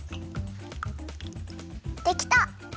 できた！